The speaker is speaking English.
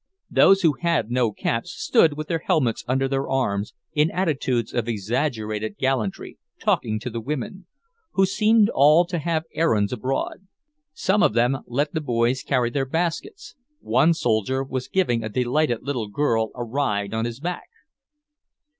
Those who had no caps stood with their helmets under their arms, in attitudes of exaggerated gallantry, talking to the women, who seemed all to have errands abroad. Some of them let the boys carry their baskets. One soldier was giving a delighted little girl a ride on his back.